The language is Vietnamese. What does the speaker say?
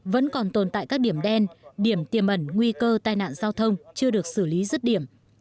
vẫn còn tồn tại các điểm đen điểm tiềm ẩn nguy cơ tai nạn giao thông chưa được xử lý rứt điểm